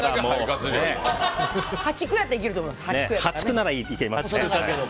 破竹やったらいけると思います。